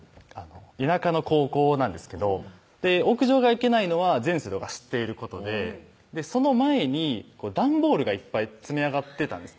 田舎の高校なんですけど屋上が行けないのは全生徒が知っていることでその前に段ボールがいっぱい積み上がってたんですね